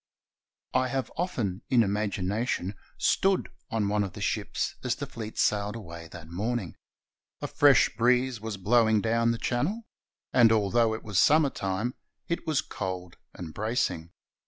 I have often, in imagination, stood on one of the ships as the fleet sailed away that morning. A fresh breeze was blowing down the Channel, and although it was summer time, it was cold and bracing.